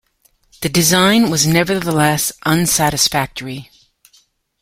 The design was nevertheless unsatisfactory.